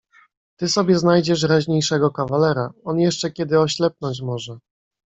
"Ty sobie znajdziesz raźniejszego kawalera... On jeszcze kiedy oślepnąć może."